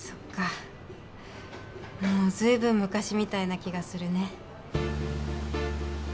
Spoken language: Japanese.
もうずいぶん昔みたいな気がするね。